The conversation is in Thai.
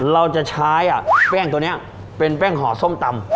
เราจะใช้แป้งตัวนี้เป็นแป้งห่อส้มตำ